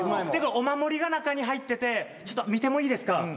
お守りが中に入ってて見てもいいですか？